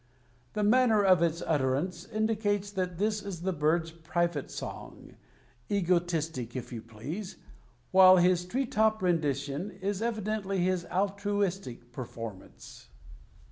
The manner of its utterance indicates that this is the bird's private song, egotistic if you please, while his tree top rendition is evidently his altruistic performance.